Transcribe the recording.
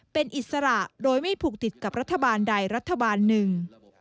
เป็นอิสระโดยไม่ผูกติดกับรัฐบาลใดรัฐบาลหนึ่ง